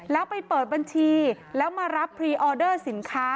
แล้วไปเปิดบัญชีแล้วมารับพรีออเดอร์สินค้า